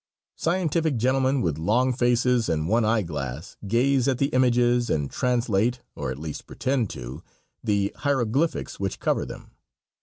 Scientific gentlemen with long faces and one eye glass gaze at the images and translate, or at least pretend to, the hieroglyphics which cover them.